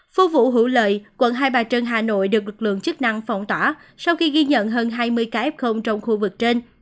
phu vụ hữu lợi quận hai bà trân hà nội được lực lượng chức năng phong tỏa sau khi ghi nhận hơn hai mươi cá f trong khu vực trên